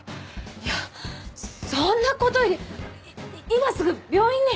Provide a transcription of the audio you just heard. いやそんなことより今すぐ病院に。